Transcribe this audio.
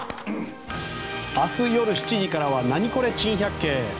明日夜７時からは「ナニコレ珍百景」。